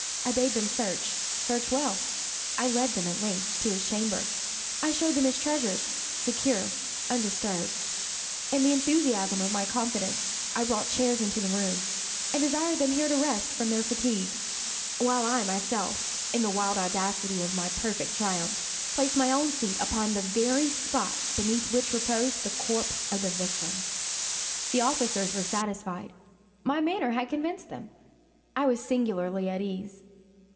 I bade them search search well. I led them, at length, to his chamber. I showed them his treasures, secure, undisturbed. In the enthusiasm of my confidence, I brought chairs into the room, and desired them here to rest from their fatigues, while I myself, in the wild audacity of my perfect triumph, placed my own seat upon the very spot beneath which reposed the corpse of the victim. The officers were satisfied. My manner had convinced them. I was singularly at ease.